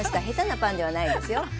へたなパンではないですよ。